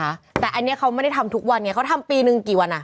้าแต่นี่เค้าไม่ได้ทำทุกวันเนี่ยเค้าทำปีนึงกี่วันน่ะ